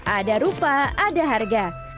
ada rupa ada harga